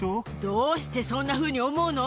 どうしてそんなふうに思うの。